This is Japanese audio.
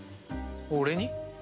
俺に？